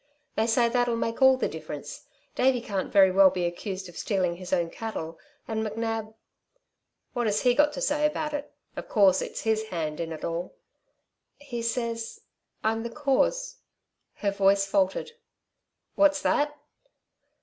"They say that'll make all the difference. Davey can't very well be accused of stealing his own cattle, and McNab " "What has he got to say about it? Of course it's his hand in it all." "He says ... I'm the cause...." Her voice faltered. "What's that?"